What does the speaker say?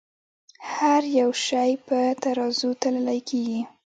هر يو شے پۀ ترازو تللے کيږې